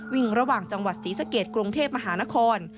วิ่งระหว่างจังหวัดศรีสะเกดกรุงเทพมหานคร